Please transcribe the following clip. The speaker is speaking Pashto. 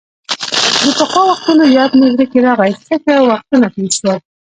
د پخوا وختونو یاد مې زړه کې راغۍ، څه ښه وختونه تېر شول.